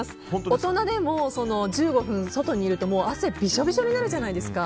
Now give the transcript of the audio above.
大人でも１５分外にいると汗びしょびしょになるじゃないですか。